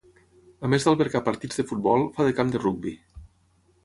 A més d'albergar partits de futbol, fa de camp de rugbi.